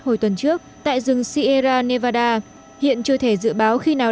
hồi tuần trước tại rừng sierra nevada hiện chưa thể dự báo khi nào